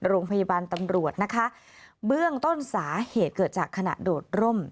โรงพยาบาลตำรวจนะคะเบื้องต้นสาเหตุเกิดจากขณะโดดร่ม